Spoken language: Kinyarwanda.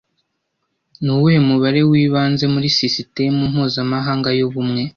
Nuwuhe mubare wibanze muri sisitemu mpuzamahanga yubumwe